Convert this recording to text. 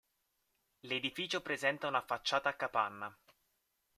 L'edificio presenta una facciata a capanna.